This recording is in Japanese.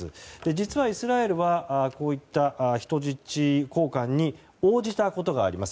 実はイスラエルはこういった人質交換に応じたことがあります。